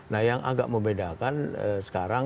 nah yang agak membedakan sekarang